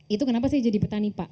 itu kenapa sih jadi petani pak